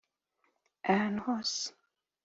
… ahantu hose